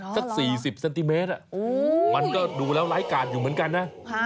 สัก๔๐เซนติเมตรมันก็ดูแล้วร้ายกาดอยู่เหมือนกันนะ